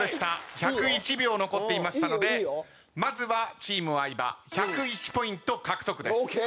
１０１秒残っていましたのでまずはチーム相葉１０１ポイント獲得です。